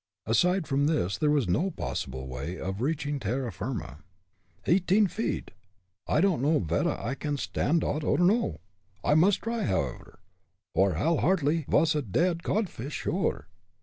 Aside from this there was no possible way of reaching terra firma. "Eighteen feet! I don'd know vedda I can stand dot or no. I must try it, however, or Hal Hartly vas a dead codfish sure."